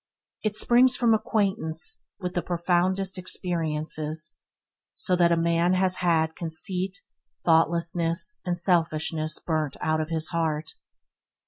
It springs from acquaintance with the profoundest experiences, so that a man has ad conceit, thoughtlessness, and selfishness burnt out of his heart.